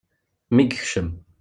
Mi yekcem.